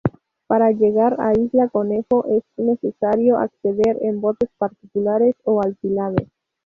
Para llegar a Isla Conejo es necesario acceder en botes particulares o alquilados.